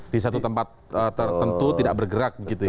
di satu tempat tertentu tidak bergerak begitu ya